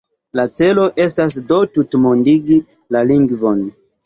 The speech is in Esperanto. La celo estas do tutmondigi la lingvon.